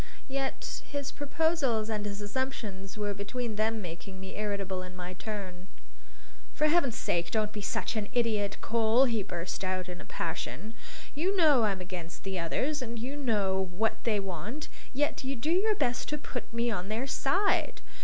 Yet his proposals and his assumptions were between them making me irritable in my turn. "For Heaven's sake don't be such an idiot, Cole!" he burst out in a passion. "You know I'm against the others, and you know what they want, yet you do your best to put me on their side!